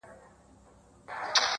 صبر د هیلو اوږد ساتونکی دی،